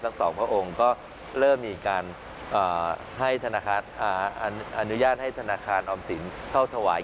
สองพระองค์ก็เริ่มมีการให้ธนาคารอนุญาตให้ธนาคารออมสินเข้าถวาย